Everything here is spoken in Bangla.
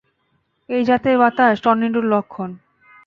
এই জাতের বাতাস, টর্নেডোর লক্ষণ।